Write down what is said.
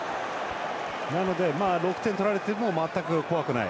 なので、６点取られても全く怖くない。